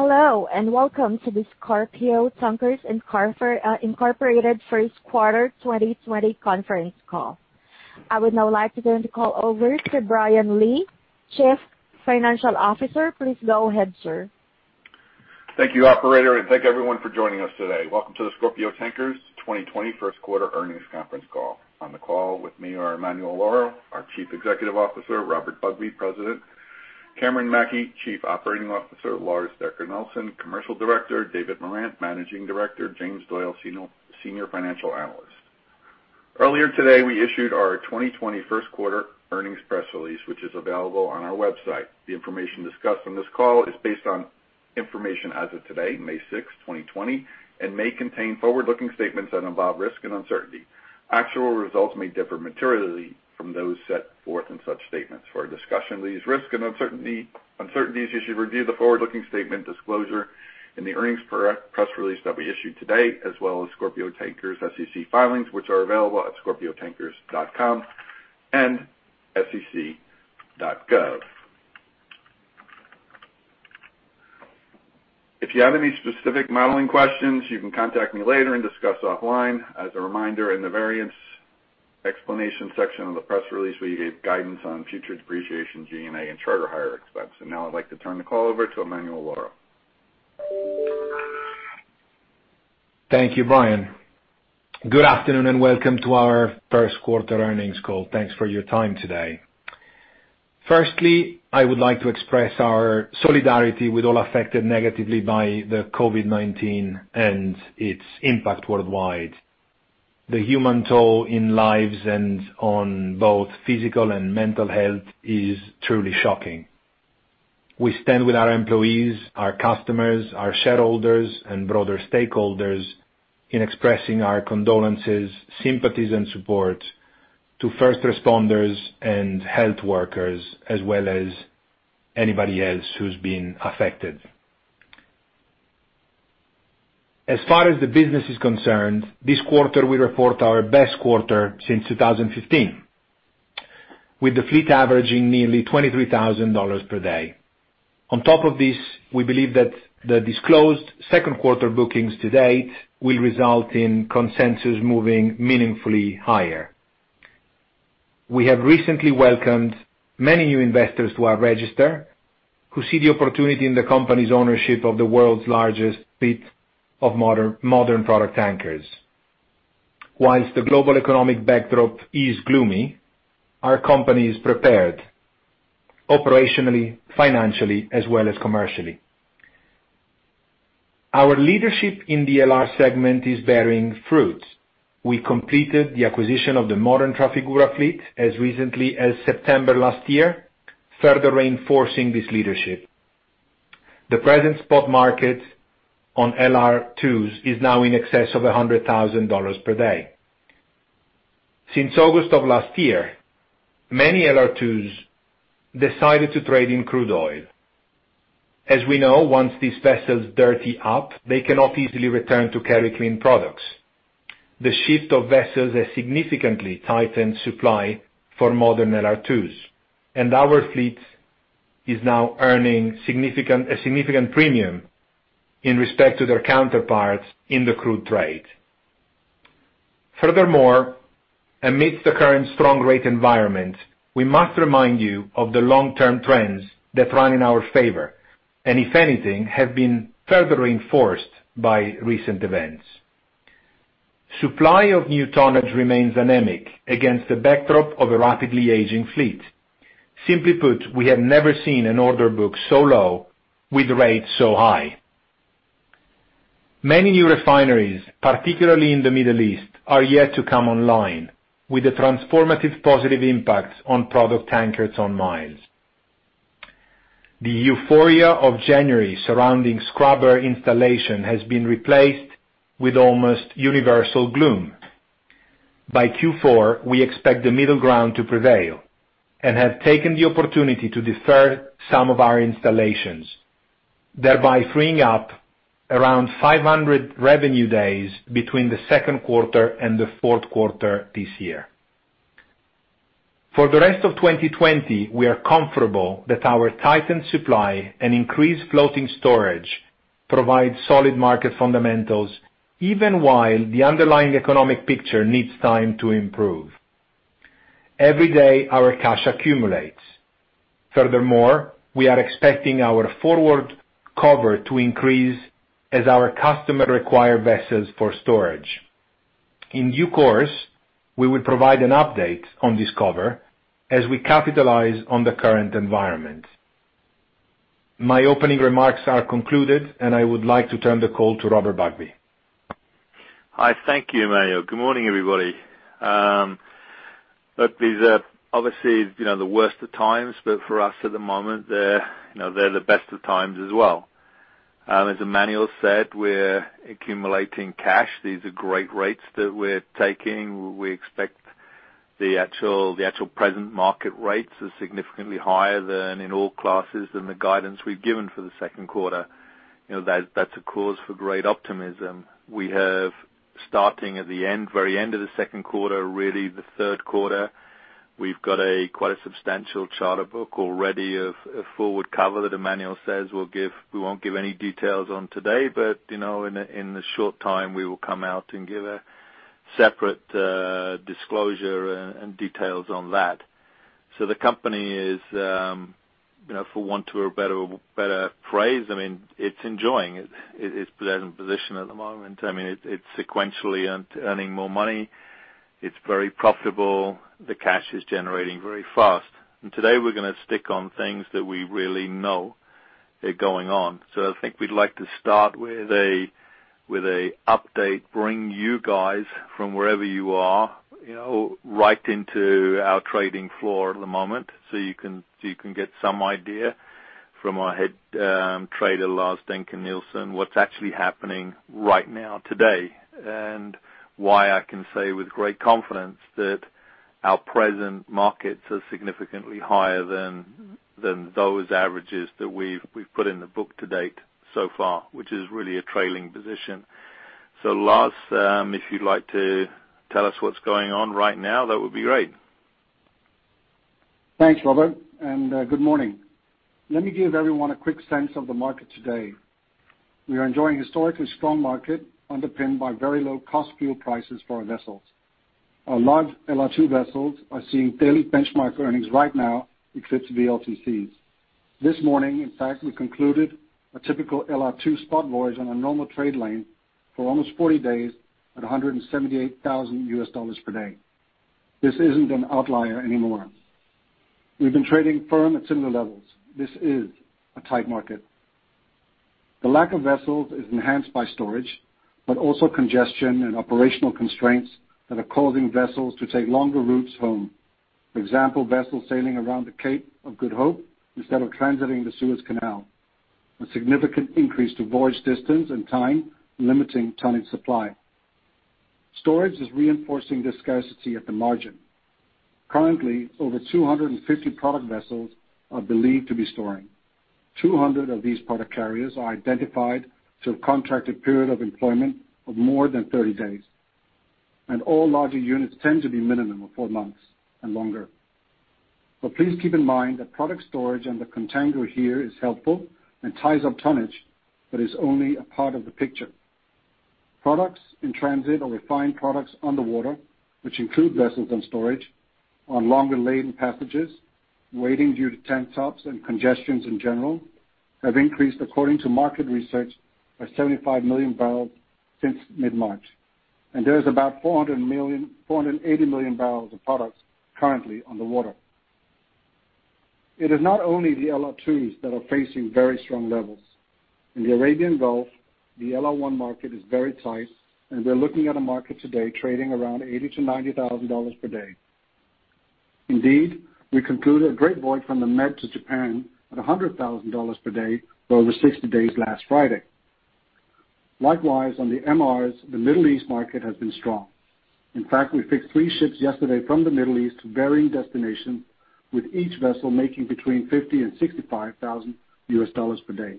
Hello, and welcome to the Scorpio Tankers Inc First Quarter 2020 Conference Call. I would now like to turn the call over to Brian Lee, Chief Financial Officer. Please go ahead, sir. Thank you, Operator, and thank everyone for joining us today. Welcome to the Scorpio Tankers 2020 First Quarter Earnings Conference Call. On the call with me are Emanuele Lauro, our Chief Executive Officer, Robert Bugbee, President, Cameron Mackey, Chief Operating Officer, Lars Dencker Nielsen, Commercial Director, David Morant, Managing Director, James Doyle, Senior Financial Analyst. Earlier today, we issued our 2020 First Quarter Earnings Press Release, which is available on our website. The information discussed on this call is based on information as of today, May 6, 2020, and may contain forward-looking statements that involve risks and uncertainties. Actual results may differ materially from those set forth in such statements. For our discussion of these risks and uncertainties, you should review the forward-looking statement disclosure in the earnings press release that we issued today, as well as Scorpio Tankers' SEC filings, which are available at scorpiotankers.com and sec.gov. If you have any specific modeling questions, you can contact me later and discuss offline. As a reminder, in the variance explanation section of the Press Release, we gave guidance on future depreciation, G&A, and charter hire expense, and now I'd like to turn the call over to Emanuele Lauro. Thank you, Brian. Good afternoon, and welcome to our first quarter earnings call. Thanks for your time today. Firstly, I would like to express our solidarity with all affected negatively by the COVID-19 and its impact worldwide. The human toll in lives and on both physical and mental health is truly shocking. We stand with our employees, our customers, our shareholders, and broader stakeholders in expressing our condolences, sympathies, and support to first responders and health workers, as well as anybody else who's been affected. As far as the business is concerned, this quarter we report our best quarter since 2015, with the fleet averaging nearly $23,000 per day. On top of this, we believe that the disclosed second quarter bookings to date will result in consensus moving meaningfully higher. We have recently welcomed many new investors to our register who see the opportunity in the company's ownership of the world's largest fleet of modern product tankers. While the global economic backdrop is gloomy, our company is prepared operationally, financially, as well as commercially. Our leadership in the LR segment is bearing fruits. We completed the acquisition of the modern Trafigura fleet as recently as September last year, further reinforcing this leadership. The present spot market on LR2s is now in excess of $100,000 per day. Since August of last year, many LR2s decided to trade in crude oil. As we know, once these vessels dirty up, they cannot easily return to carry clean products. The shift of vessels has significantly tightened supply for modern LR2s, and our fleet is now earning a significant premium in respect to their counterparts in the crude trade. Furthermore, amidst the current strong rate environment, we must remind you of the long-term trends that run in our favor and, if anything, have been further reinforced by recent events. Supply of new tonnage remains anemic against the backdrop of a rapidly aging fleet. Simply put, we have never seen an order book so low with rates so high. Many new refineries, particularly in the Middle East, are yet to come online with the transformative positive impacts on product tankers on miles. The euphoria of January surrounding Scrubber installation has been replaced with almost universal gloom. By Q4, we expect the middle ground to prevail and have taken the opportunity to defer some of our installations, thereby freeing up around 500 revenue days between the second quarter and the fourth quarter this year. For the rest of 2020, we are comfortable that our tightened supply and increased floating storage provide solid market fundamentals even while the underlying economic picture needs time to improve. Every day, our cash accumulates. Furthermore, we are expecting our forward cover to increase as our customers require vessels for storage. In due course, we will provide an update on this cover as we capitalize on the current environment. My opening remarks are concluded, and I would like to turn the call to Robert Bugbee. Hi, thank you, Emanuele. Good morning, everybody. Look, these are obviously the worst of times, but for us at the moment, they're the best of times as well. As Emanuele said, we're accumulating cash. These are great rates that we're taking. We expect the actual present market rates are significantly higher than in all classes than the guidance we've given for the second quarter. That's a cause for great optimism. We have, starting at the very end of the second quarter, really the third quarter, we've got quite a substantial charter book already of forward cover that Emanuele says we won't give any details on today, but in the short time, we will come out and give a separate disclosure and details on that. So the company is, for want of a better phrase, I mean, it's enjoying, its present position at the moment. I mean, it's sequentially earning more money. It's very profitable. The cash is generating very fast. And today, we're going to stick on things that we really know are going on. So I think we'd like to start with an update, bring you guys from wherever you are right into our trading floor at the moment so you can get some idea from our head trader, Lars Dencker Nielsen, what's actually happening right now today and why I can say with great confidence that our present markets are significantly higher than those averages that we've put in the book to date so far, which is really a trailing position. So Lars, if you'd like to tell us what's going on right now, that would be great. Thanks, Robert, and good morning. Let me give everyone a quick sense of the market today. We are enjoying a historically strong market underpinned by very low cost fuel prices for our vessels. Our large LR2 vessels are seeing daily benchmark earnings right now exits VLCCs. This morning, in fact, we concluded a typical LR2 spot voyage on a normal trade lane for almost 40 days at $178,000 per day. This isn't an outlier anymore. We've been trading firm at similar levels. This is a tight market. The lack of vessels is enhanced by storage, but also congestion and operational constraints that are causing vessels to take longer routes home. For example, vessels sailing around the Cape of Good Hope instead of transiting the Suez Canal. A significant increase to voyage distance and time, limiting tonnage supply. Storage is reinforcing this scarcity at the margin. Currently, over 250 product vessels are believed to be storing. 200 of these product carriers are identified to have contracted period of employment of more than 30 days. And all larger units tend to be minimum of four months and longer. But please keep in mind that product storage and the contango here is helpful and ties up tonnage, but is only a part of the picture. Products in transit or refined products underwater, which include vessels on storage on longer lane passages waiting due to tank tops and congestion in general, have increased, according to market research, by 75 million barrels since mid-March. And there's about 480 million barrels of products currently underwater. It is not only the LR2s that are facing very strong levels. In the Arabian Gulf, the LR1 market is very tight, and we're looking at a market today trading around $80,000-$90,000 per day. Indeed, we concluded a great voyage from the Med to Japan at $100,000 per day for over 60 days last Friday. Likewise, on the MRs, the Middle East market has been strong. In fact, we fixed three ships yesterday from the Middle East to varying destinations, with each vessel making between $50,000 and $65,000 per day.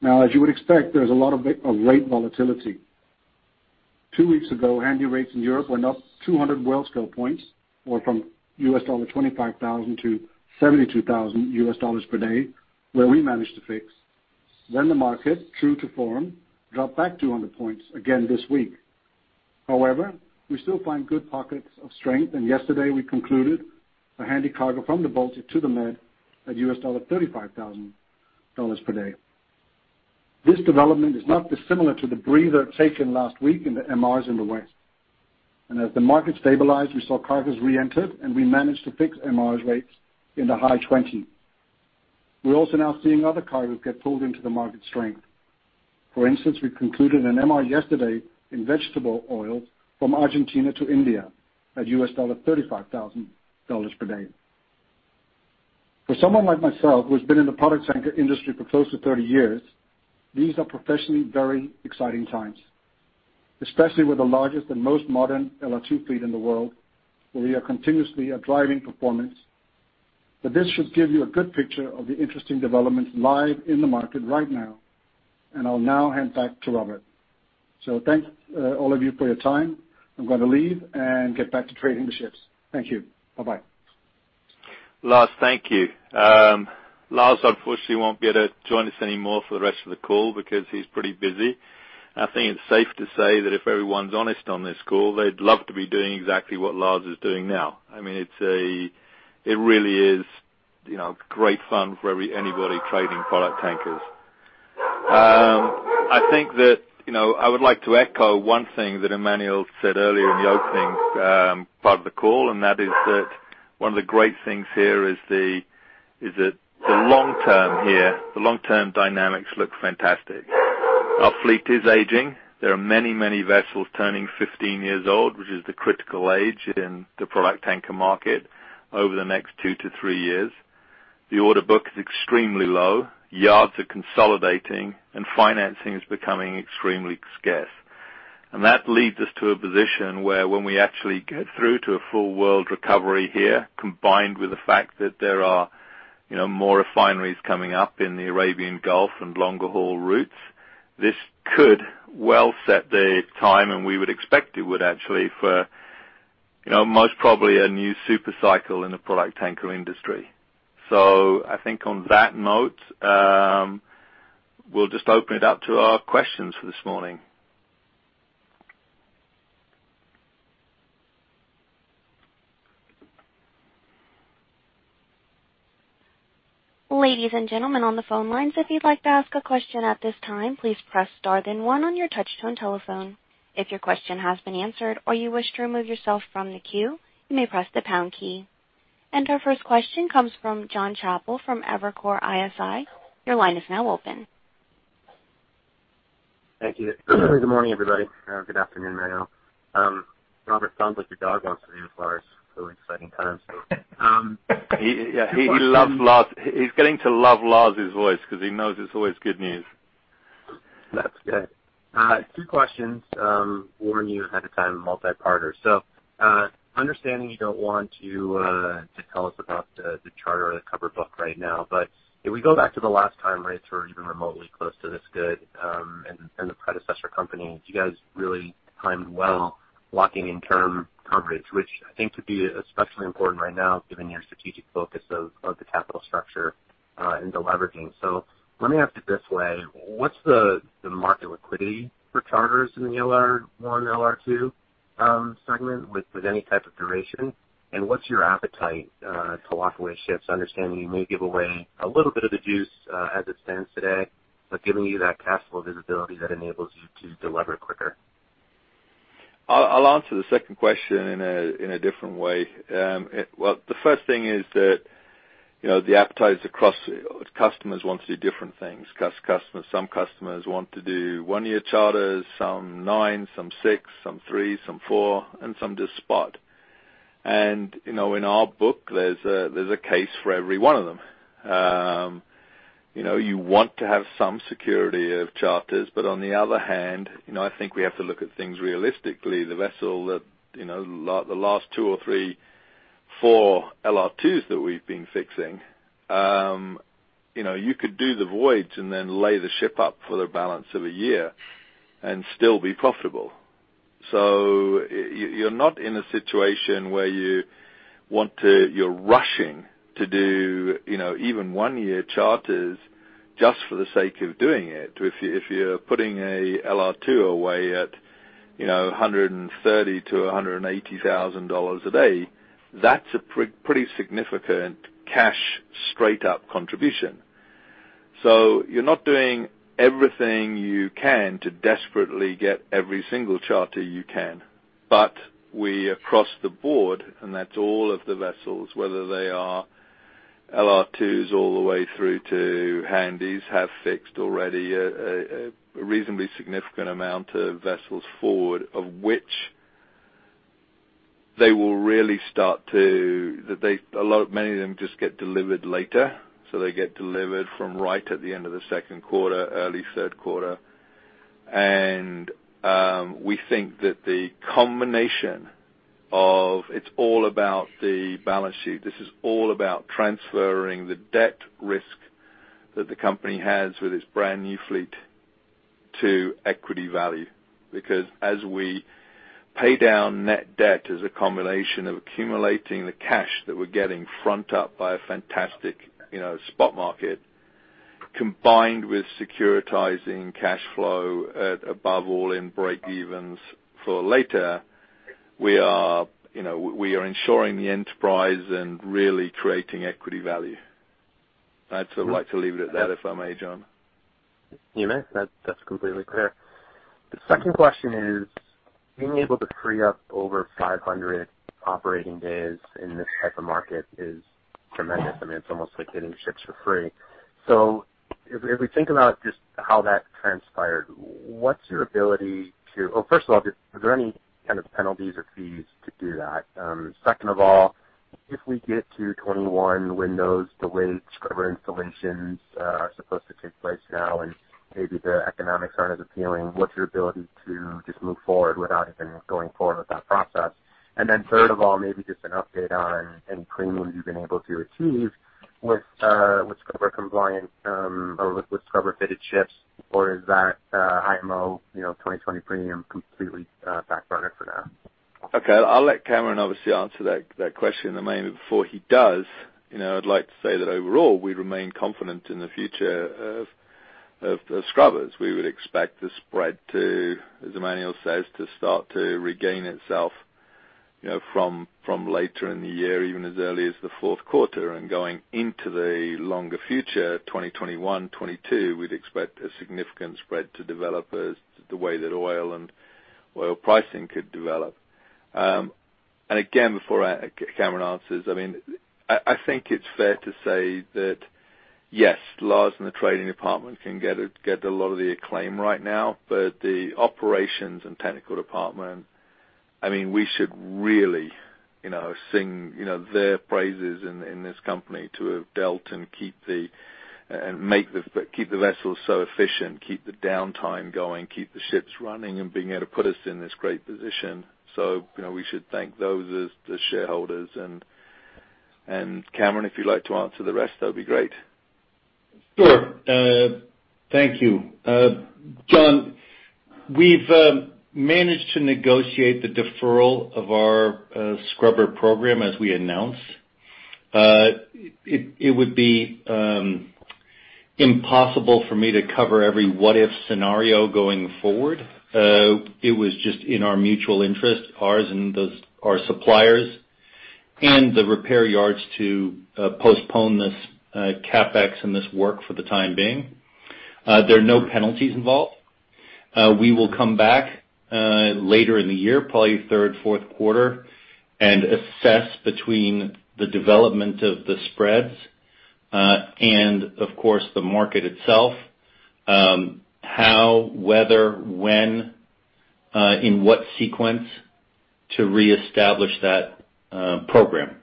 Now, as you would expect, there's a lot of rate volatility. Two weeks ago, handy rates in Europe went up 200 Worldscale points, or from $25,000 -$72,000 per day, where we managed to fix. Then the market, true to form, dropped back 200 points again this week. However, we still find good pockets of strength, and yesterday we concluded a handy cargo from the Baltic to the Med at $35,000 per day. This development is not dissimilar to the breather taken last week in the MRs in the west. And as the market stabilized, we saw cargoes re-entered, and we managed to fix MRs rates in the high 20. We're also now seeing other cargoes get pulled into the market strength. For instance, we concluded an MR yesterday in vegetable oils from Argentina to India at $35,000 per day. For someone like myself, who has been in the product tanker industry for close to 30 years, these are professionally very exciting times, especially with the largest and most modern LR2 fleet in the world, where we are continuously at driving performance. But this should give you a good picture of the interesting developments live in the market right now. And I'll now hand back to Robert. So thanks, all of you, for your time. I'm going to leave and get back to trading the ships. Thank you. Bye-bye. Lars, thank you. Lars, unfortunately, won't be able to join us anymore for the rest of the call because he's pretty busy. I think it's safe to say that if everyone's honest on this call, they'd love to be doing exactly what Lars is doing now. I mean, it really is, you know, great fun for anybody trading product tankers. I think that I would like to echo one thing that Emanuele said earlier in the opening part of the call, and that is that one of the great things here is that the long-term here, the long-term dynamics look fantastic. Our fleet is aging. There are many, many vessels turning 15 years old, which is the critical age in the product tanker market over the next two to three years. The order book is extremely low. Yards are consolidating, and financing is becoming extremely scarce. And that leads us to a position where, when we actually get through to a full world recovery here, combined with the fact that there are more refineries coming up in the Arabian Gulf and longer haul routes, this could well set the time, and we would expect it would actually for most probably a new super cycle in the product tanker industry. So I think on that note, we'll just open it up to our questions for this morning. Ladies and gentlemen on the phone lines, if you'd like to ask a question at this time, please press star then one on your touch-tone telephone. If your question has been answered or you wish to remove yourself from the queue, you may press the pound key, and our first question comes from Jonathan Chappell from Evercore ISI. Your line is now open. Thank you. Good morning, everybody. Good afternoon, Emanuele. Robert, sounds like your dog wants to leave as far as early sighting times. Yeah, he loves Lars. He's getting to love Lars's voice because he knows it's always good news. That's good. Two questions. Warn you ahead of time, multi-part. So, understanding you don't want to tell us about the charter or the cover book right now, but if we go back to the last time rates were even remotely close to this good, and the predecessor company, you guys really timed well locking in term coverage, which I think could be especially important right now given your strategic focus of the capital structure and the leveraging. So let me ask it this way. What's the market liquidity for charters in the LR1, LR2 segment with any type of duration? And what's your appetite to lock away ships, understanding you may give away a little bit of the juice as it stands today, but giving you that cash flow visibility that enables you to deliver it quicker? I'll answer the second question in a different way. Well, the first thing is that the appetites across customers want to do different things. Some customers want to do one-year charters, some nine, some six, some three, some four, and some just spot. And in our book, there's a case for every one of them. You want to have some security of charters, but on the other hand, I think we have to look at things realistically. The vessel that the last two or three, four LR2s that we've been fixing, you could do the voyages and then lay the ship up for the balance of a year and still be profitable. So you're not in a situation where want to, you're rushing to do even one-year charters just for the sake of doing it. If you're putting an LR2 away at $130,000-$180,000 a day, that's a pretty significant cash straight-up contribution. So you're not doing everything you can to desperately get every single charter you can. But we, across the board, and that's all of the vessels, whether they are LR2s all the way through to handies, have fixed already a reasonably significant amount of vessels forward, of which they will really start to, many of them, just get delivered later. So they get delivered from right at the end of the second quarter, early third quarter. And we think that the combination of, it's all about the balance sheet. This is all about transferring the debt risk that the company has with its brand new fleet to equity value. Because as we pay down net debt as a combination of accumulating the cash that we're getting front up by a fantastic spot market, combined with securitizing cash flow above all in break-evens for later, we are ensuring the enterprise and really creating equity value. I'd sort of like to leave it at that if I may, Jon. You may. That's completely clear. The second question is, being able to free up over 500 operating days in this type of market is tremendous. I mean, it's almost like getting ships for free. So if we think about just how that transpired, what's your ability to, oh, first of all, are there any kind of penalties or fees to do that? Second of all, if we get to 2021 when those delayed Scrubber installations are supposed to take place now, and maybe the economics aren't as appealing, what's your ability to just move forward without even going forward with that process? And then third of all, maybe just an update on any premiums you've been able to achieve with scrubber-compliant or with scrubber-fitted ships, or is that IMO 2020 premium completely a backburner for now? Okay. I'll let Cameron obviously answer that question. Maybe before he does, I'd like to say that overall, we remain confident in the future of Scrubbers. We would expect the spread to, as Emanuele says, to start to regain itself from later in the year, even as early as the fourth quarter. Going into the longer future, 2021, 2022, we'd expect a significant spread to develop as the way that oil and oil pricing could develop. And again, before Cameron answers, I mean, I think it's fair to say that, yes, Lars and the trading department can get a lot of the acclaim right now, but the operations and technical department, I mean, we should really sing their praises in this company to have dealt and keep the vessels so efficient, keep the downtime going, keep the ships running, and being able to put us in this great position. So we should thank those as the shareholders. And Cameron, if you'd like to answer the rest, that would be great. Sure. Thank you. Jon, we've managed to negotiate the deferral of our Scrubber program as we announced. It would be impossible for me to cover every what-if scenario going forward. It was just in our mutual interest, ours and our suppliers, and the repair yards to postpone this CapEx and this work for the time being. There are no penalties involved. We will come back later in the year, probably third, fourth quarter, and assess between the development of the spreads and, of course, the market itself, how, whether, when, in what sequence to reestablish that program.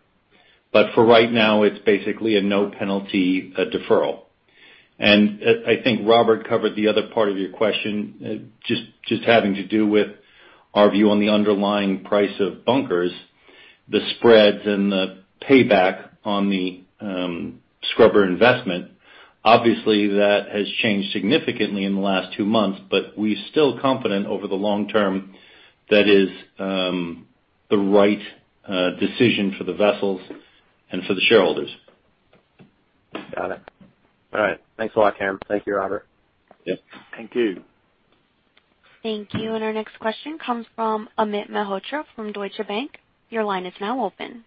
But for right now, it's basically a no-penalty deferral. And I think Robert covered the other part of your question, just having to do with our view on the underlying price of bunkers, the spreads, and the payback on the Scrubber investment. Obviously, that has changed significantly in the last two months, but we're still confident over the long term that is the right decision for the vessels and for the shareholders. Got it. All right. Thanks a lot, Cameron. Thank you, Robert. Yeah. Thank you. Thank you. And our next question comes from Amit Mehrotra from Deutsche Bank. Your line is now open.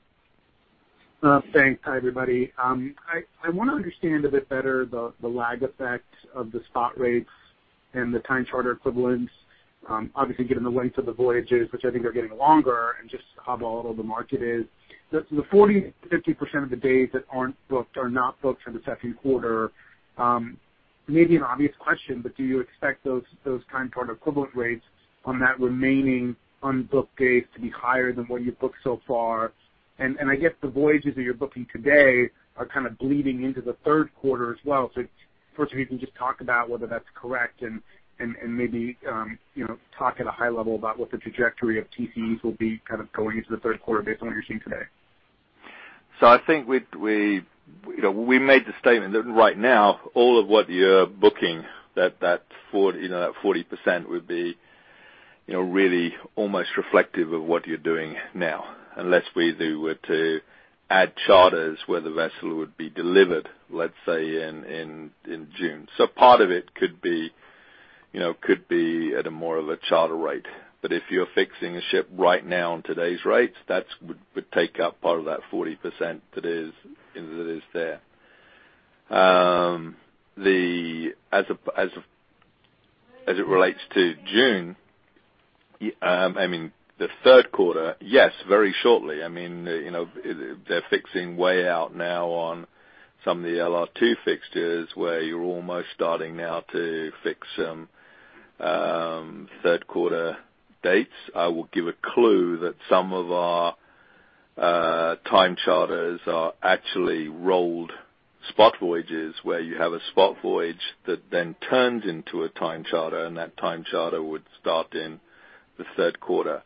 Thanks,. Hi, everybody. I want to understand a bit better the lag effects of the spot rates and the time charter equivalents, obviously given the length of the voyages, which I think are getting longer, and just how volatile the market is. The 40%-50% of the days that aren't booked or not booked for the second quarter, maybe an obvious question, but do you expect those time charter equivalent rates on that remaining unbooked days to be higher than what you've booked so far? And I guess the voyages that you're booking today are kind of bleeding into the third quarter as well. So first, if you can just talk about whether that's correct, and maybe talk at a high level about what the trajectory of TCEs will be kind of going into the third quarter, based on what you're seeing today. So I think we, you know, we made the statement that right now, all of what you're booking, that 40% would be really almost reflective of what you're doing now, unless we were to add charters where the vessel would be delivered, let's say, in June. So part of it could be at a more of a charter rate. But if you're fixing a ship right now on today's rates, that would take up part of that 40% that is there. As it relates to June, I mean, the third quarter, yes, very shortly. I mean, they're fixing way out now on some of the LR2 fixtures, where you're almost starting now to fix some third quarter dates. I will give a clue that some of our time charters are actually rolled spot voyages where you have a spot voyage that then turns into a time charter, and that time charter would start in the third quarter,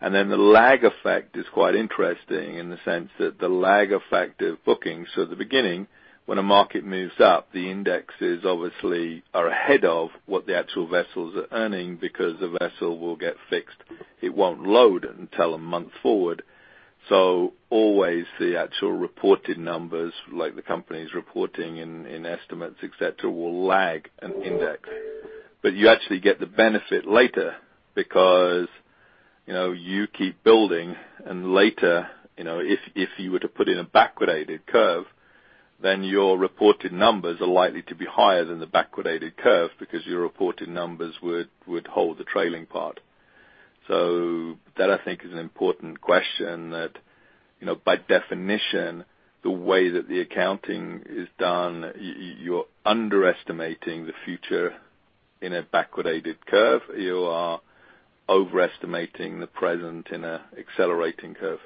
and then the lag effect is quite interesting in the sense that the lag effect of booking, so at the beginning, when a market moves up, the indexes obviously are ahead of what the actual vessels are earning because the vessel will get fixed. It won't load until a month forward. So, always the actual reported numbers, like the company's reporting in estimates, etc., will lag an index. But, you actually get the benefit later because you keep building. And later, if you were to put in a backwardated curve, then your reported numbers are likely to be higher than the backwardated curve because your reported numbers would hold the trailing part. That, I think, is an important question that, by definition, the way that the accounting is done, you're underestimating the future in a backwardated curve. You are overestimating the present in an accelerating curve.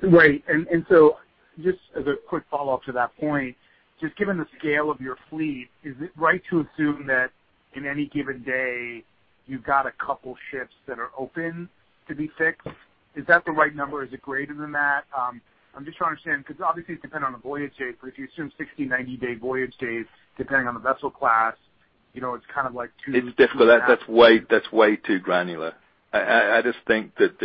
Right. And so just as a quick follow-up to that point, just given the scale of your fleet, is it right to assume that in any given day, you've got a couple of ships that are open to be fixed? Is that the right number? Is it greater than that? I'm just trying to understand because obviously, it depends on the voyage date, but if you assume 60-90-day voyage days depending on the vessel class, it's kind of like too- It's difficult. That's way too granular. I just think that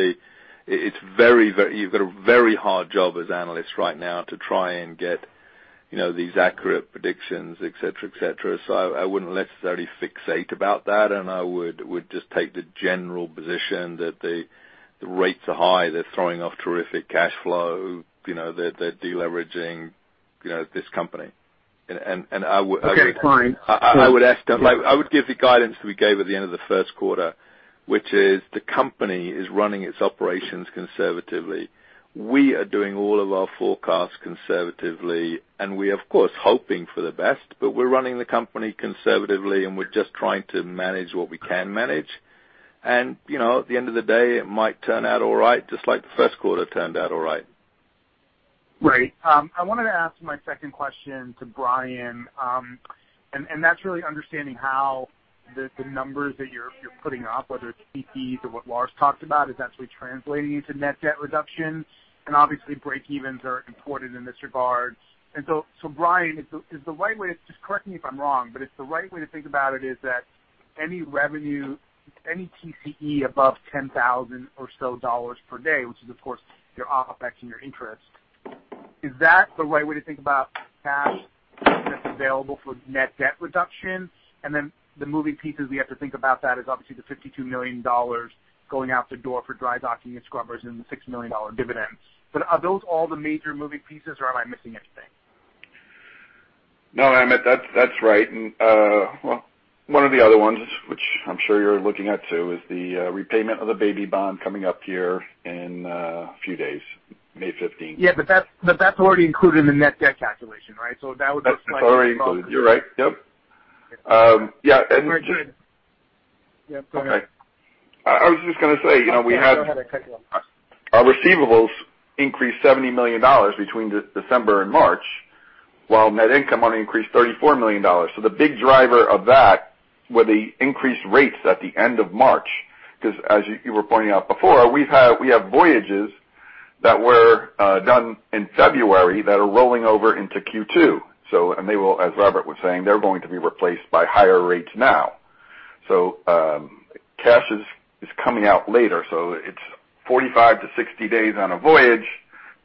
it's very—you've got a very hard job as analysts right now to try and get these accurate predictions, etc., etc. So I wouldn't necessarily fixate about that, and I would just take the general position that the rates are high, they're throwing off terrific cash flow, they're deleveraging this company. And I would— Okay, fine. I would give the guidance that we gave at the end of the first quarter, which is the company is running its operations conservatively. We are doing all of our forecasts conservatively, and we are, of course, hoping for the best, but we're running the company conservatively, and we're just trying to manage what we can manage. And at the end of the day, it might turn out all right, just like the first quarter turned out all right. Right. I wanted to ask my second question to Brian, and that's really understanding how the numbers that you're putting up, whether it's TCEs or what Lars talked about, is actually translating into net debt reduction. And obviously, break-evens are important in this regard. And so Brian, is the right way—just correct me if I'm wrong—but it's the right way to think about it is that any revenue, any TCE above 10,000 or so dollars per day, which is, of course, your OpEx and your interest, is that the right way to think about cash that's available for net debt reduction? And then the moving pieces we have to think about that is obviously the $52 million going out the door for dry docking and scrubbers, and the $6 million dividends. But are those all the major moving pieces, or am I missing anything? No, Amit, that's right. Well, one of the other ones, which I'm sure you're looking at too, is the repayment of the baby bond coming up here in a few days, May 15th. Yeah, but that's already included in the net debt calculation, right? So that would look like. That's already included. You're right. Yep. Yeah. Amit, you go ahead. Yep. Go ahead. Okay. I was just going to say we had- I don't mean to cut you off. Our receivables increased $70 million between December and March, while net income only increased $34 million, so the big driver of that were the increased rates at the end of March because as you were pointing out before, we have voyages that were done in February that are rolling over into Q2, and as Robert was saying, they're going to be replaced by higher rates now, so cash is coming out later. It's 45-60 days on a voyage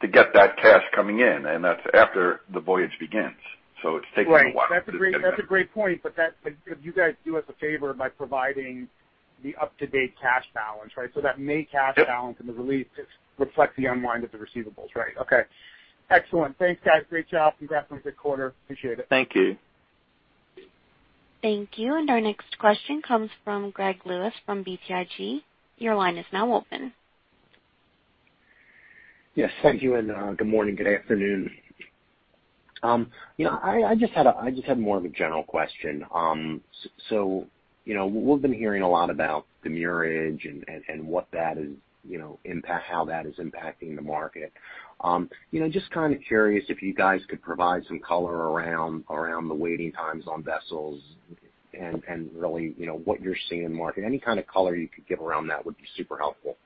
to get that cash coming in, and that's after the voyage begins, so it's taking a while to get there. Right. That's a great point. But you guys do us a favor by providing the up-to-date cash balance, right? So that May cash balance and the release reflects the unwind of the receivables, right? Okay. Excellent. Thanks, guys. Great job. Congrats on the third quarter. Appreciate it. Thank you. Thank you. And our next question comes from Greg Lewis from BTIG. Your line is now open. Yes. Thank you. And good morning, good afternoon. I just had more of a general question. So we've been hearing a lot about the marriage and how that is impacting the market. Just kind of curious if you guys could provide some color around the waiting times on vessels and really what you're seeing in the market. Any kind of color you could give around that would be super helpful.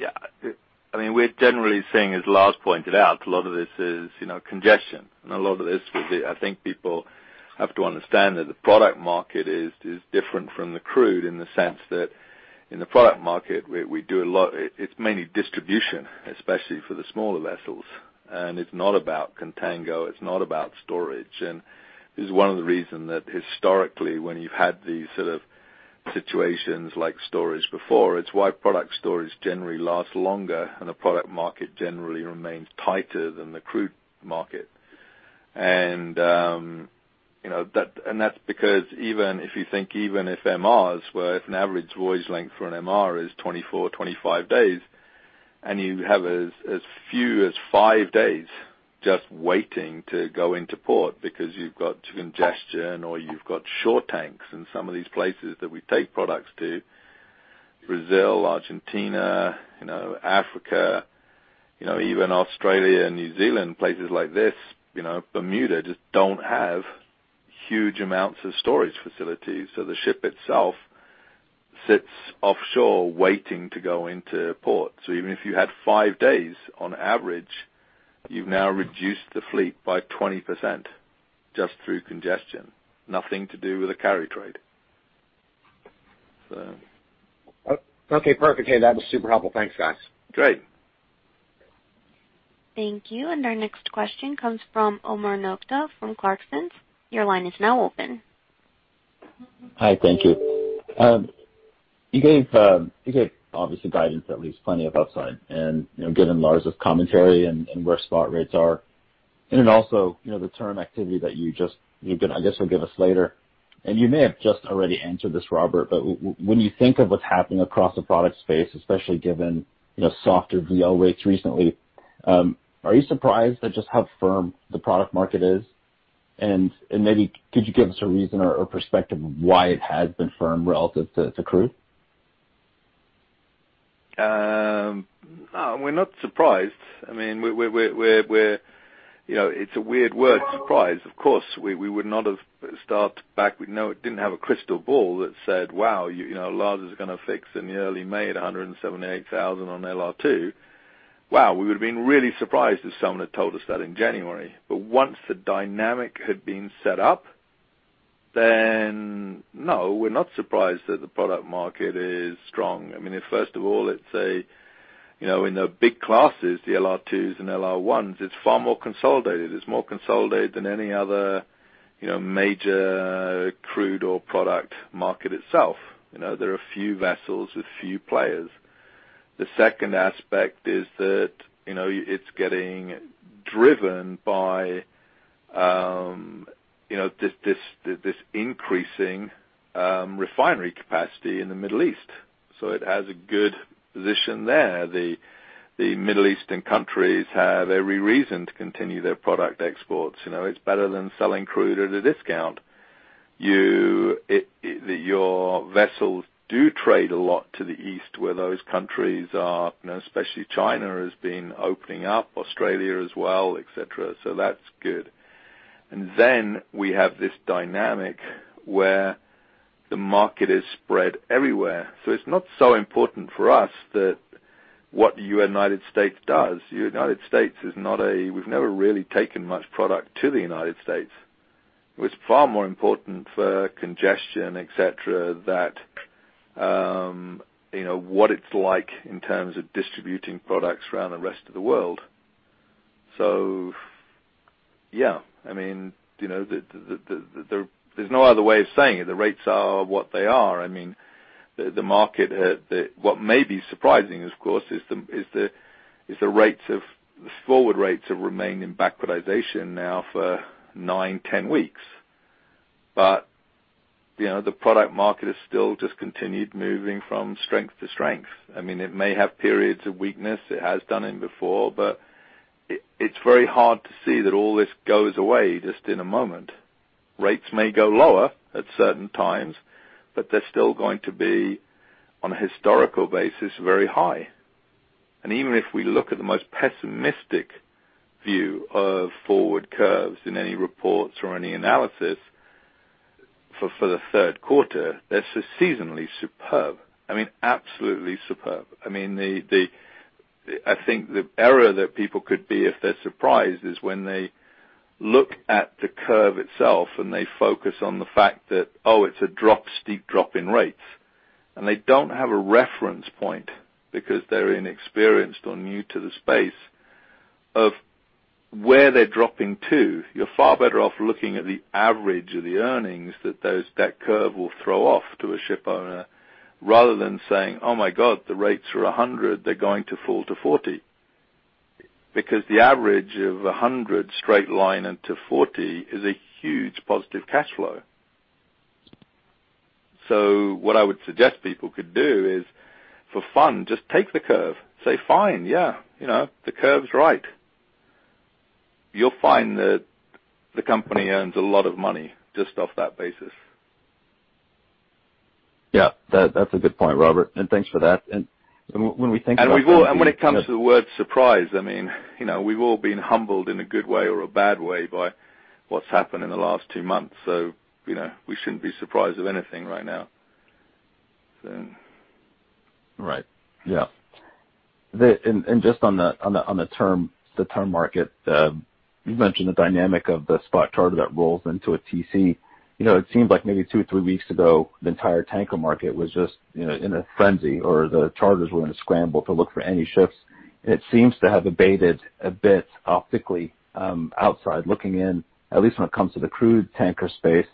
Yeah. I mean, we're generally seeing, as Lars pointed out, a lot of this is congestion, and a lot of this would be—I think people have to understand that the product market is different from the crude in the sense that in the product market, we do a lot—it's mainly distribution, especially for the smaller vessels, and it's not about contango. It's not about storage, and this is one of the reasons that historically, when you've had these sort of situations like storage before, it's why product storage generally lasts longer, and the product market generally remains tighter than the crude market. That's because even if you think, even if MRs, where if an average voyage length for an MR is 24-25 days, and you have as few as five days just waiting to go into port because you've got congestion or you've got shore tanks in some of these places that we take products to, Brazil, Argentina, Africa, even Australia and New Zealand, places like this, Bermuda just don't have huge amounts of storage facilities. So the ship itself sits offshore waiting to go into port. So even if you had five days on average, you've now reduced the fleet by 20% just through congestion. Nothing to do with the carry trade. Okay. Perfect. Hey, that was super helpful. Thanks, guys. Great. Thank you. And our next question comes from Omar Nokta from Clarksons. Your line is now open. Hi. Thank you. You gave, obviously, guidance at least plenty of upside, and given Lars's commentary and where spot rates are, and then also the term activity that you just, I guess, will give us later, and you may have just already answered this, Robert, but when you think of what's happening across the product space, especially given softer VO rates recently, are you surprised at just how firm the product market is? And maybe could you give us a reason or perspective of why it has been firm relative to crude? No, we're not surprised. I mean, it's a weird word, surprise. Of course, we would not have started back. We didn't have a crystal ball that said, "Wow, Lars is going to fix in the early May at 178,000 on LR2." Wow, we would have been really surprised if someone had told us that in January. But once the dynamic had been set up, then no, we're not surprised that the product market is strong. I mean, first of all, it's in the big classes, the LR2s and LR1s, it's far more consolidated. It's more consolidated than any other major crude or product market itself. There are a few vessels with few players. The second aspect is that it's getting driven by this increasing refinery capacity in the Middle East. So it has a good position there. The Middle Eastern countries have every reason to continue their product exports.It's better than selling crude at a discount. Your vessels do trade a lot to the east where those countries are, especially China has been opening up, Australia as well, etc. So that's good. And then we have this dynamic where the market is spread everywhere. So it's not so important for us that what the United States does. The United States is not a—we've never really taken much product to the United States. It was far more important for congestion, etc., that what it's like in terms of distributing products around the rest of the world. So yeah, I mean, there's no other way of saying it. The rates are what they are. I mean, the market, what may be surprising, of course, is the forward rates have remained in backwardation now for nine, 10 weeks. But the product market has still just continued moving from strength to strength. I mean, it may have periods of weakness. It has done it before, but it's very hard to see that all this goes away just in a moment. Rates may go lower at certain times, but they're still going to be, on a historical basis, very high. And even if we look at the most pessimistic view of forward curves in any reports or any analysis for the third quarter, they're seasonally superb. I mean, absolutely superb. I mean, I think the error that people could be if they're surprised is when they look at the curve itself, and they focus on the fact that, "Oh, it's a steep drop in rates." And they don't have a reference point because they're inexperienced or new to the space of where they're dropping to. You're far better off looking at the average of the earnings that that curve will throw off to a shipowner rather than saying, "Oh my God, the rates are 100, they're going to fall to 40." Because the average of 100 straight line into 40 is a huge positive cash flow. So what I would suggest people could do is, for fun, just take the curve. Say, "Fine, yeah, the curve's right." You'll find that the company earns a lot of money just off that basis. Yeah. That's a good point, Robert. And thanks for that. And when we think about surprise. When it comes to the word surprise, I mean, we've all been humbled in a good way or a bad way by what's happened in the last two months. We shouldn't be surprised of anything right now. Right. Yeah. And just on the term market, you mentioned the dynamic of the spot charter that rolls into a TC. It seemed like maybe two or three weeks ago, the entire tanker market was just in a frenzy or the charters were in a scramble to look for any ships. And it seems to have abated a bit optically outside looking in, at least when it comes to the crude tanker space.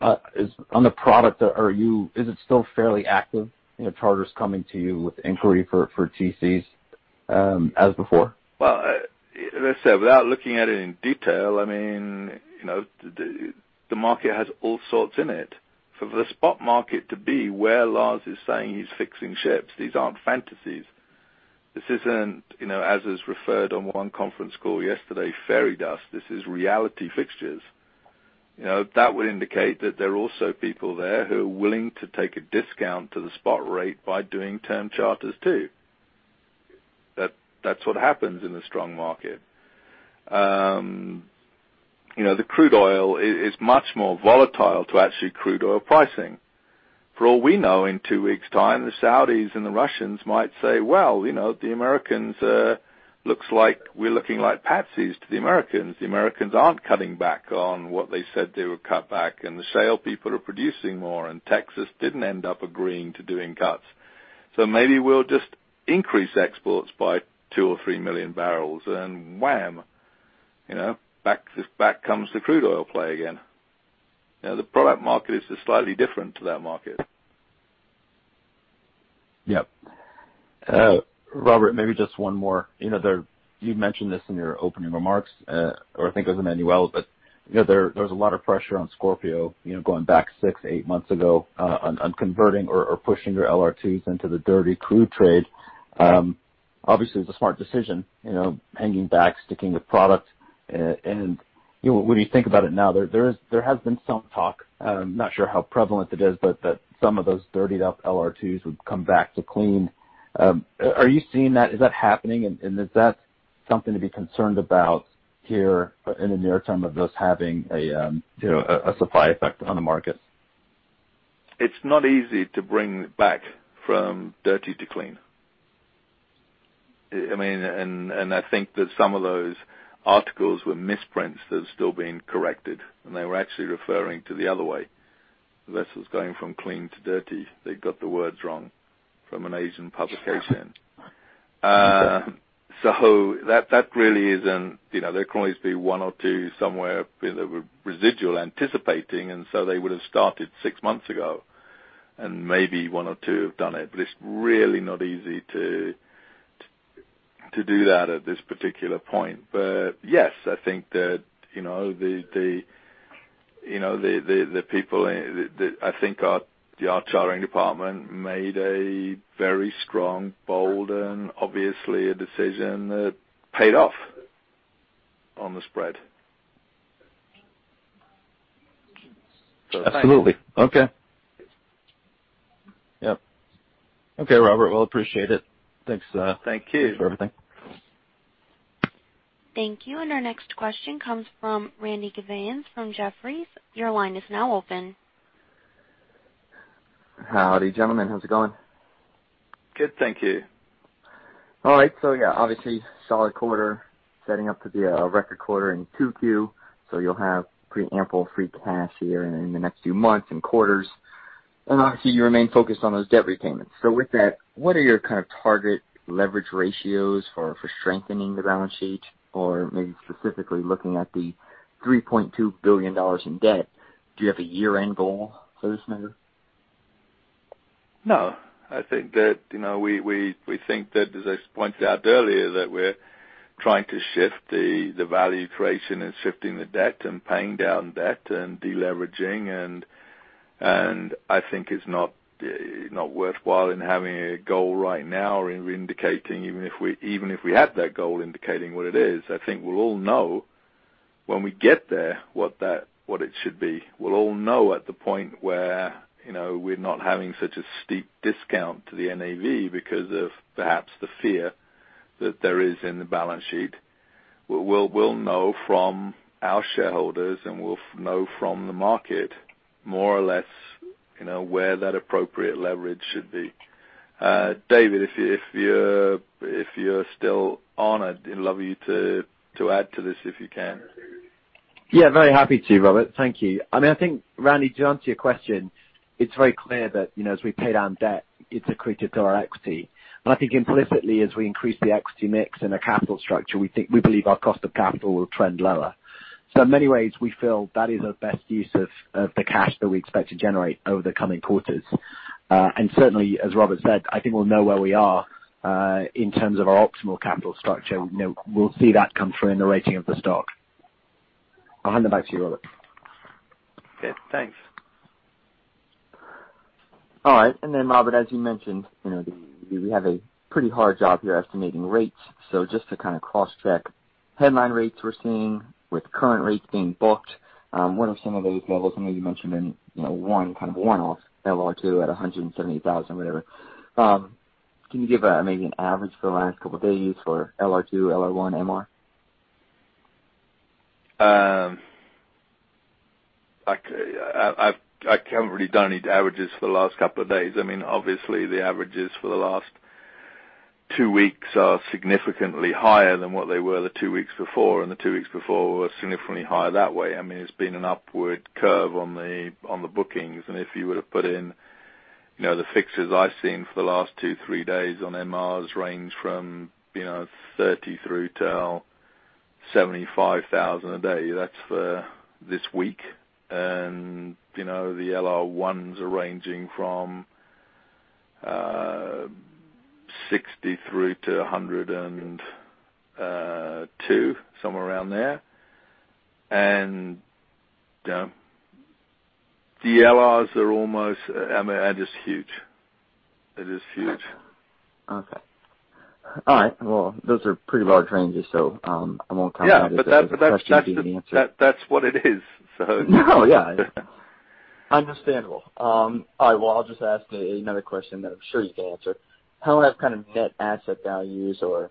On the product, is it still fairly active? Charters coming to you with inquiry for TCs as before? As I said, without looking at it in detail, I mean, the market has all sorts in it. For the spot market to be where Lars is saying he's fixing ships, these aren't fantasies. This isn't, as was referred on one conference call yesterday, fairy dust. This is reality fixtures. That would indicate that there are also people there who are willing to take a discount to the spot rate by doing term charters, too. That's what happens in the strong market. The crude oil is much more volatile to actually crude oil pricing. For all we know, in two weeks time, the Saudis and the Russians might say, "Well, the Americans looks like we're looking like patsies to the Americans. The Americans aren't cutting back on what they said they would cut back, and the shale people are producing more, and Texas didn't end up agreeing to doing cuts. So maybe we'll just increase exports by two or three million barrels, and wham, back comes the crude oil play again. The product market is just slightly different to that market. Yep. Robert, maybe just one more. You mentioned this in your opening remarks, or I think it was Emanuele, but there was a lot of pressure on Scorpio going back six, eight months ago on converting or pushing your LR2s into the dirty crude trade. Obviously, it's a smart decision, hanging back, sticking with product. And when you think about it now, there has been some talk. I'm not sure how prevalent it is, but that some of those dirtied-up LR2s would come back to clean. Are you seeing that? Is that happening? And is that something to be concerned about here in the near term of those having a supply effect on the markets? It's not easy to bring back from dirty to clean. I mean, and I think that some of those articles were misprints that have still been corrected. And they were actually referring to the other way. The vessels going from clean to dirty. They got the words wrong from an Asian publication. So that really isn't. There can always be one or two somewhere that were residual anticipating, and so they would have started six months ago. And maybe one or two have done it, but it's really not easy to do that at this particular point. But yes, I think that the people, I think the acquisition department made a very strong, bold, and obviously a decision that paid off on the spread. Absolutely. Okay. Yep. Okay, Robert. Well, appreciate it. Thanks for everything. Thank you. Thank you. And our next question comes from Randy Giveans from Jefferies. Your line is now open. Howdy, gentlemen. How's it going? Good. Thank you. All right. So yeah, obviously, solid quarter setting up to be a record quarter in 2Q. So you'll have ample free cash here in the next few months and quarters. And obviously, you remain focused on those debt repayments. So with that, what are your kind of target leverage ratios for strengthening the balance sheet or maybe specifically looking at the $3.2 billion in debt? Do you have a year-end goal for this matter? No. I think that we think that, as I pointed out earlier, that we're trying to shift the value creation and shifting the debt and paying down debt and deleveraging, and I think it's not worthwhile in having a goal right now or indicating, even if we had that goal, indicating what it is. I think we'll all know when we get there what it should be. We'll all know at the point where we're not having such a steep discount to the NAV because of perhaps the fear that there is in the balance sheet. We'll know from our shareholders, and we'll know from the market more or less where that appropriate leverage should be. David, if you're still on, I'd love you to add to this if you can. Yeah. Very happy to, Robert. Thank you. I mean, I think, Randy, to answer your question, it's very clear that as we pay down debt, it's accretive to our equity. And I think implicitly, as we increase the equity mix and the capital structure, we believe our cost of capital will trend lower. So in many ways, we feel that is our best use of the cash that we expect to generate over the coming quarters. And certainly, as Robert said, I think we'll know where we are in terms of our optimal capital structure. We'll see that come through in the rating of the stock. I'll hand it back to you, Robert. Okay. Thanks.All right. And then, Robert, as you mentioned, we have a pretty hard job here estimating rates. So just to kind of cross-check, headline rates we're seeing with current rates being booked, what are some of those levels? I know you mentioned one kind of one-off LR2 at 178,000, whatever. Can you give maybe an average for the last couple of days for LR2, LR1, MR? I haven't really done any averages for the last couple of days. I mean, obviously, the averages for the last two weeks are significantly higher than what they were the two weeks before, and the two weeks before were significantly higher that way. I mean, it's been an upward curve on the bookings. And if you were to put in the fixtures I've seen for the last two, three days on MRs range from $30,000-$75,000 a day. That's for this week. And the LR1s are ranging from $60,000-$102,000, somewhere around there. And the LRs are almost just huge. They're just huge. Okay. All right. Well, those are pretty large ranges, so I won't comment on that. Yeah, but that's the answer. That's what it is, so. No. Yeah. Understandable. All right, well, I'll just ask another question that I'm sure you can answer. How have kind of net asset values or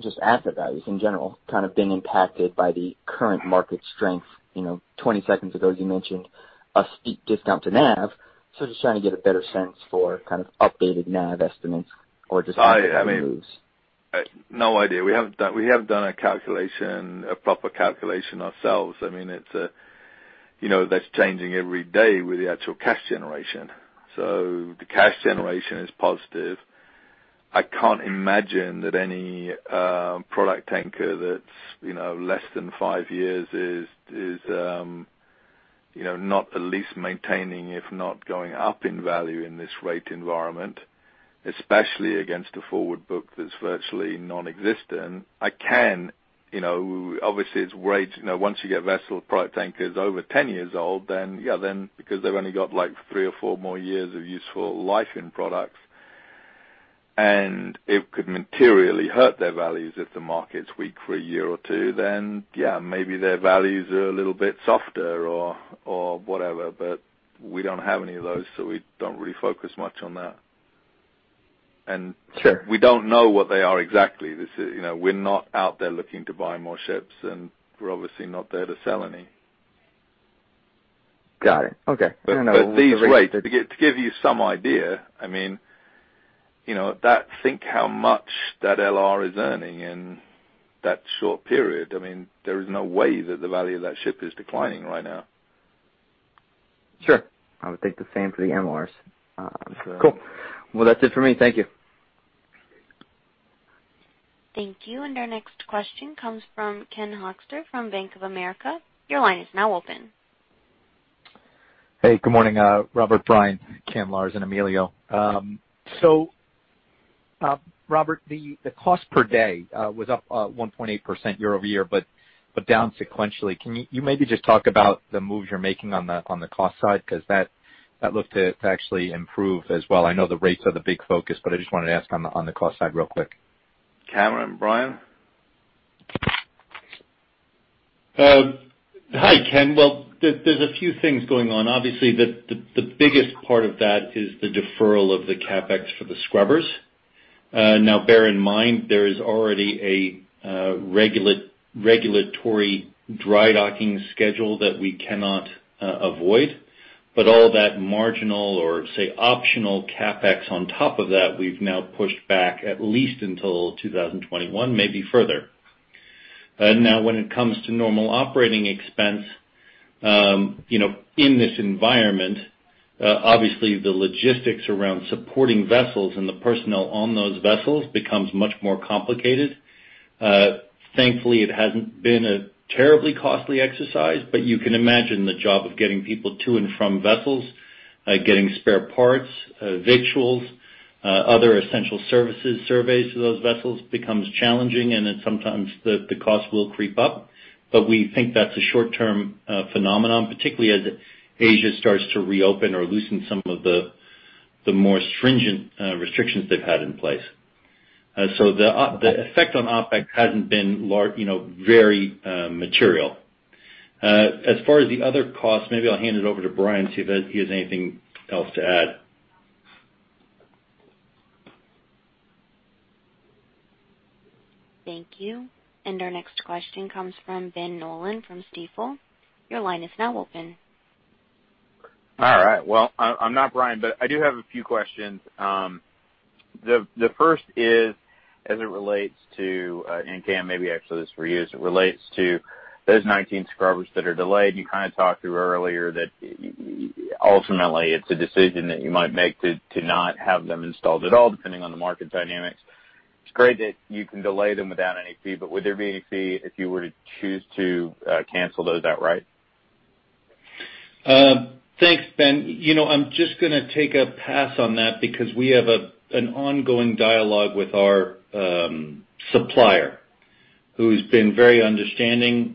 just asset values in general kind of been impacted by the current market strength? 20 seconds ago, you mentioned a steep discount to NAV. So just trying to get a better sense for kind of updated NAV estimates or just moves. No idea. We haven't done a proper calculation ourselves. I mean, that's changing every day with the actual cash generation. So the cash generation is positive. I can't imagine that any product tanker that's less than five years is not at least maintaining, if not going up in value in this rate environment, especially against a forward book that's virtually nonexistent. I can. Obviously, it's weighed once you get vessel product tankers over 10 years old, then because they've only got like three or four more years of useful life in products, and it could materially hurt their values if the market's weak for a year or two, then yeah, maybe their values are a little bit softer or whatever. But we don't have any of those, so we don't really focus much on that. And we don't know what they are exactly. We're not out there looking to buy more ships, and we're obviously not there to sell any. Got it. Okay. I don't know. But these rates, to give you some idea, I mean, think how much that LR is earning in that short period. I mean, there is no way that the value of that ship is declining right now. Sure. I would think the same for the MRs. Cool. Well, that's it for me. Thank you. Thank you. And our next question comes from Ken Hoexter from Bank of America. Your line is now open. Hey, good morning, Robert, Brian, Cam, Lars, and Emanuele. So Robert, the cost per day was up 1.8% year-over-year, but down sequentially. Can you maybe just talk about the moves you're making on the cost side? Because that looked to actually improve as well. I know the rates are the big focus, but I just wanted to ask on the cost side real quick. Cameron? Brian? Hi, Ken. Well, there's a few things going on. Obviously, the biggest part of that is the deferral of the CapEx for the Scrubbers. Now, bear in mind, there is already a regulatory dry docking schedule that we cannot avoid. But all that marginal or, say, optional CapEx on top of that, we've now pushed back at least until 2021, maybe further. Now, when it comes to normal operating expense, in this environment, obviously, the logistics around supporting vessels and the personnel on those vessels becomes much more complicated. Thankfully, it hasn't been a terribly costly exercise, but you can imagine the job of getting people to and from vessels, getting spare parts, victuals, other essential services, surveys to those vessels becomes challenging, and sometimes the cost will creep up. But we think that's a short-term phenomenon, particularly as Asia starts to reopen or loosen some of the more stringent restrictions they've had in place. So the effect on OpEx hasn't been very material. As far as the other costs, maybe I'll hand it over to Brian to see if he has anything else to add. Thank you. And our next question comes from Ben Nolan from Stifel. Your line is now open. All right. Well, I'm not Brian, but I do have a few questions. The first is, as it relates to, and Cam, maybe actually this for you, as it relates to those 19 Scrubbers that are delayed. You kind of talked through earlier that ultimately it's a decision that you might make to not have them installed at all, depending on the market dynamics. It's great that you can delay them without any fee, but would there be any fee if you were to choose to cancel those outright? Thanks, Ben. I'm just going to take a pass on that because we have an ongoing dialogue with our supplier who's been very understanding.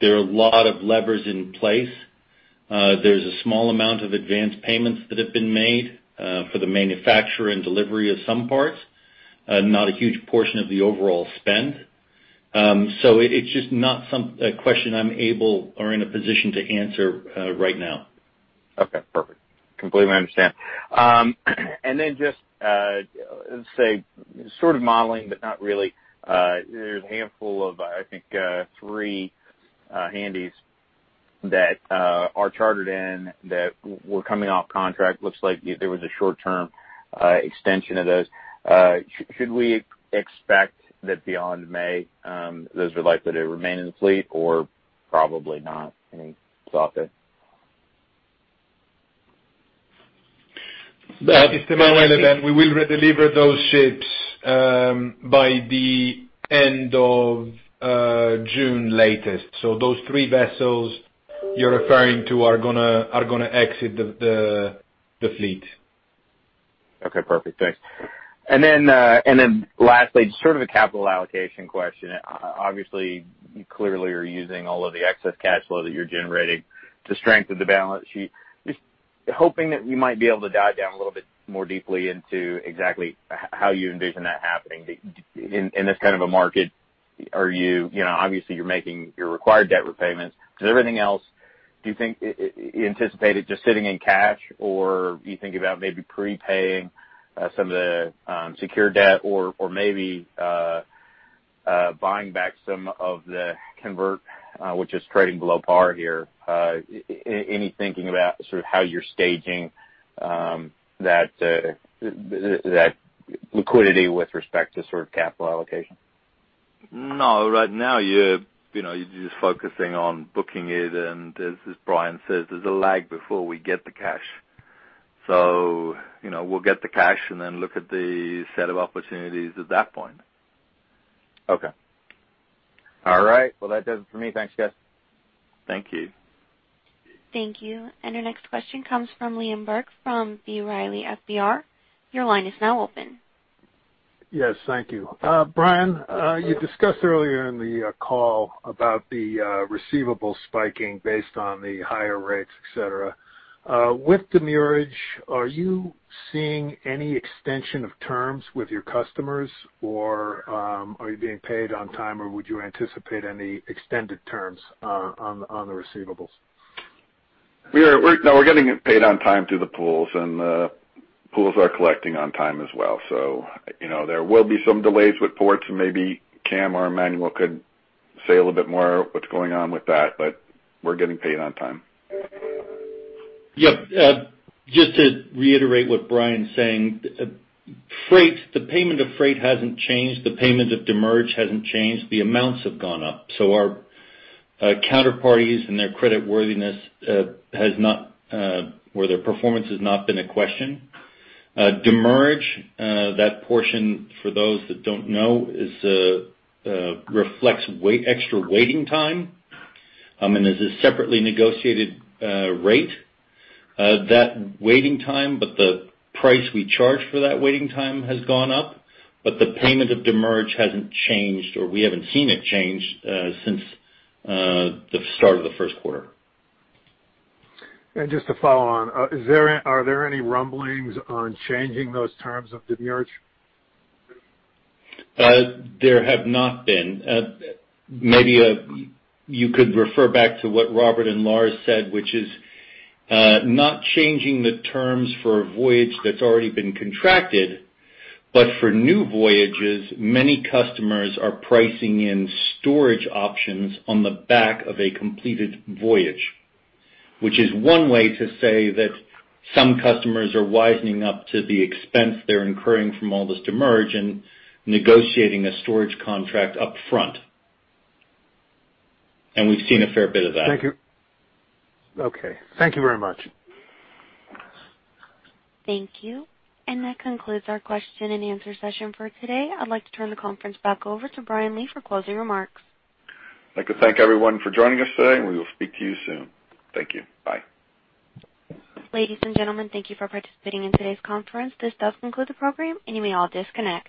There are a lot of levers in place. There's a small amount of advance payments that have been made for the manufacture and delivery of some parts, not a huge portion of the overall spend. So it's just not a question I'm able or in a position to answer right now. Okay. Perfect. Completely understand. And then just, let's say, sort of modeling, but not really. There's a handful of, I think, three handies that are chartered in that were coming off contract. Looks like there was a short-term extension of those. Should we expect that beyond May, those are likely to remain in the fleet or probably not? Any thoughts there? It's the main way that we will deliver those ships by the end of June latest. So those three vessels you're referring to are going to exit the fleet. Okay. Perfect. Thanks. And then lastly, just sort of a capital allocation question. Obviously, you clearly are using all of the excess cash flow that you're generating to strengthen the balance sheet. Just hoping that we might be able to dive down a little bit more deeply into exactly how you envision that happening in this kind of a market. Obviously, you're making your required debt repayments. Does everything else do you think you anticipate it? Just sitting in cash, or are you thinking about maybe prepaying some of the secured debt, or maybe buying back some of the convert, which is trading below par here? Any thinking about sort of how you're staging that liquidity with respect to sort of capital allocation? No. Right now, you're just focusing on booking it. And as Brian says, there's a lag before we get the cash. So we'll get the cash and then look at the set of opportunities at that point. Okay. All right. Well, that does it for me. Thanks, guys. Thank you. Thank you. And our next question comes from Liam Burke from B. Riley FBR. Your line is now open. Yes. Thank you. Brian, you discussed earlier in the call about the receivables spiking based on the higher rates, etc. With demurrage, are you seeing any extension of terms with your customers, or are you being paid on time, or would you anticipate any extended terms on the receivables? We're getting paid on time through the pools, and the pools are collecting on time as well. So there will be some delays with ports, and maybe Cam or Emanuele could say a little bit more what's going on with that, but we're getting paid on time. Yep. Just to reiterate what Brian's saying, the payment of freight hasn't changed. The payment of demurrage hasn't changed. The amounts have gone up. So our counterparties and their creditworthiness has not, or their performance has not been a question. Demurrage, that portion, for those that don't know, reflects extra waiting time. I mean, there's a separately negotiated rate. That waiting time, but the price we charge for that waiting time has gone up, but the payment of demurrage hasn't changed, or we haven't seen it change since the start of the first quarter. Just to follow on, are there any rumblings on changing those terms of demurrage? There have not been. Maybe you could refer back to what Robert and Lars said, which is not changing the terms for a voyage that's already been contracted, but for new voyages, many customers are pricing in storage options on the back of a completed voyage, which is one way to say that some customers are wisening up to the expense they're incurring from all this demurrage and negotiating a storage contract upfront, and we've seen a fair bit of that. Thank you. Okay. Thank you very much. Thank you. And that concludes our question and answer session for today. I'd like to turn the conference back over to Brian Lee for closing remarks. I'd like to thank everyone for joining us today, and we will speak to you soon. Thank you. Bye. Ladies and gentlemen, thank you for participating in today's conference. This does conclude the program, and you may all disconnect.